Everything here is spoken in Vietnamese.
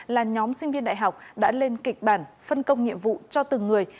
là nhóm sinh viên đại học đã lên kịch bản phân công nhiệm vụ cho từng người